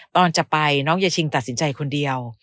ตอนจะไปน้องยาชิงตัดสินใจคนเดียว